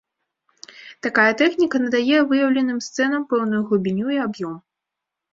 Такая тэхніка надае выяўленым сцэнам пэўную глыбіню і аб'ём.